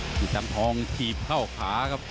แล้วสตรัมทองถีบเข้าขาครับ